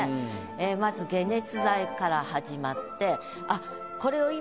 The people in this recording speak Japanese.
ええまず「解熱剤」から始まってあっ